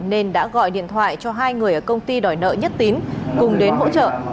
nên đã gọi điện thoại cho hai người ở công ty đòi nợ nhất tín cùng đến hỗ trợ